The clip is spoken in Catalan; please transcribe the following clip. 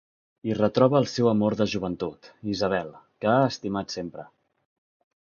Hi retroba el seu amor de joventut, Isabel, que ha estimat sempre.